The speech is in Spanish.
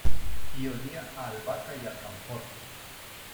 Y olía a albahaca y alcanfor.